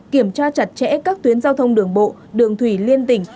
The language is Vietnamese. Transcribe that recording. kiểm tra chặt chẽ các tuyến giao thông đường bộ đường thủy liên tỉnh